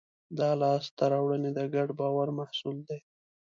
دا لاستهراوړنې د ګډ باور محصول دي.